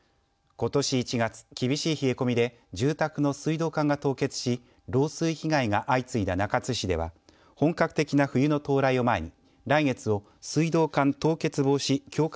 ことし１月、厳しい冷え込みで住宅の水道管が凍結し漏水被害が相次いだ中津市では本格的な冬の到来を前に来月を水道管凍結防止強化